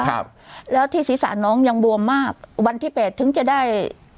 ครับแล้วที่ศีรษะน้องยังบวมมากวันที่แปดถึงจะได้